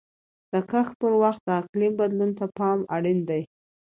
د کښت پر وخت د اقلیم بدلون ته پام اړین دی.